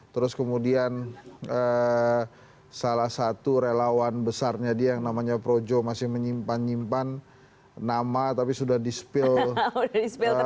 terus kemudian salah satu relawan besarnya dia yang namanya projo masih menyimpan nyimpan nama tapi sudah di spill